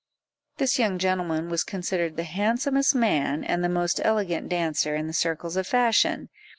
This young gentleman was considered the handsomest man, and the most elegant dancer, in the circles of fashion.